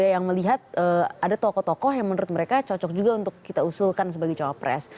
yang melihat ada tokoh tokoh yang menurut mereka cocok juga untuk kita usulkan sebagai cawapres